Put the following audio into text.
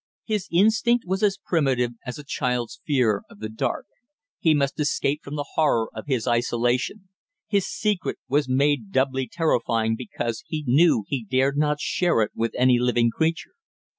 His instinct was as primitive as a child's fear of the dark; he must escape from the horror of his isolation; his secret was made doubly terrifying because he knew he dared not share it with any living creature.